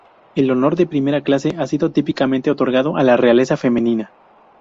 El honor de primera clase ha sido típicamente otorgado a la realeza femenina.